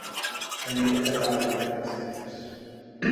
En ella quedà eliminat en sèries.